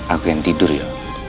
aku yang tidur ya